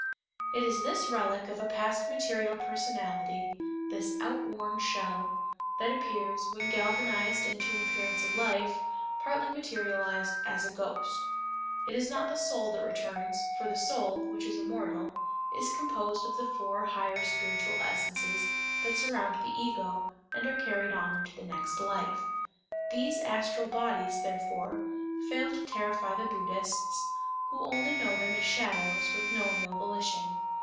It is this relic of a past material personality, this outworn shell, that appears, when galvanized into an appearance of life, partly materialized, as a ghost. It is not the soul that returns, for the soul, which is immortal, is composed of the four higher spiritual essences that surround the ego, and are carried on into the next life. These astral bodies, therefore, fail to terrify the Buddhists, who know them only as shadows, with no real volition.